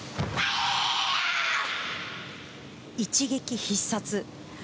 一撃必殺。